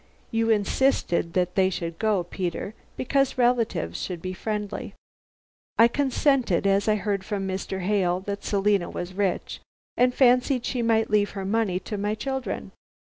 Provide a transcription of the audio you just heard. You insisted that they should go, Peter, because relatives should be friendly. I consented, as I heard from Mr. Hale that Selina was rich, and fancied she might leave her money to my children.